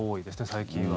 最近は。